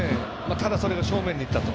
ただ、それが正面にいったと。